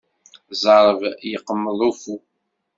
Ẓẓerb yeqmeḍ uffu.